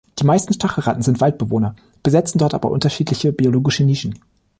Die meisten Stachelratten sind Waldbewohner, besetzen dort aber unterschiedliche biologische Nischen.